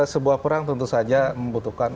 sebuah perang tentu saja membutuhkan